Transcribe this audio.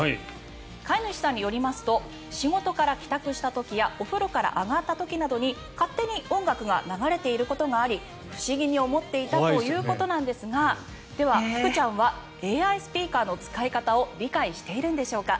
飼い主さんによりますと仕事から帰宅した時やお風呂から上がってた時に勝手に音楽が流れていることがあり不思議に思っていたことがあったということなんですがでは福ちゃんはＡＩスピーカーの使い方を理解しているんでしょうか。